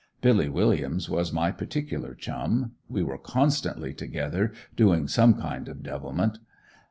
Billy Williams was my particular chum; we were constantly together doing some kind of devilment.